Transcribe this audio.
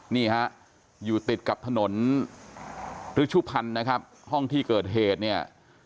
นี่ฮะอยู่ติดกับถนนฤชุพันธ์นะครับห้องที่เกิดเหตุเนี่ย